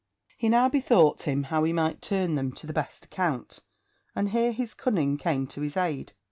He now bethought him how he might turn them to the best account, and here his cunning came to his aid.